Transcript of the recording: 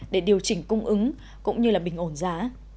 để điều chỉnh cung ứng cũng như là bình ổn giá